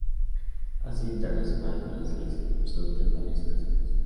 Ha sido internacional con la selección absoluta en varias ocasiones.